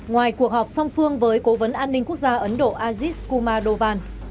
ngoài cuộc họp song phương với cố vấn an ninh quốc gia ấn độ ajit kumar dovan